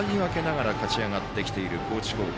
投手陣を使い分けながら勝ち上がってきている高知高校。